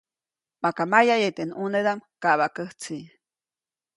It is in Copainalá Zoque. Maka mayaʼye teʼ ʼnunedaʼm kaʼbaʼkäjtsi.